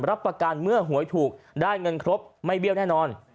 รับประกันเมื่อหวยถูกได้เงินครบไม่เบี้ยวแน่นอน